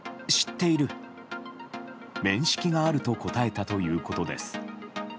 面識があると答えたということです。